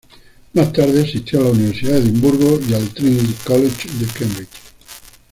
Más tarde asistió a la Universidad de Edimburgo y a Trinity College de Cambridge.